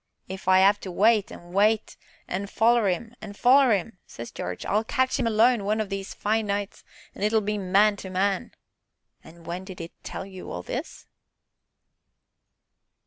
'If I 'ave to wait, an' wait, an' foller 'im, an' foller 'im,' says Jarge, 'I'll catch 'im alone, one o' these fine nights, an' it'll be man to man.'" "And when did he tell you all this?"